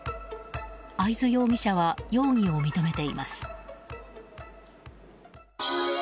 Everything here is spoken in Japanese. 会津容疑者は容疑を認めています。